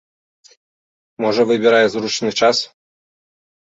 Можа, выбірае зручны час.